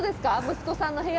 息子さんの部屋。